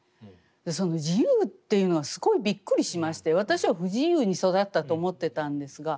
その「自由」というのがすごいびっくりしまして私は不自由に育ったと思ってたんですが。